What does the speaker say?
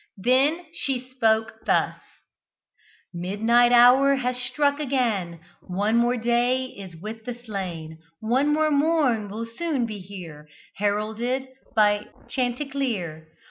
Then she spoke thus: "Midnight hour has struck again, One more day is with the slain: One more morn will soon be here, Heralded by chanticleer.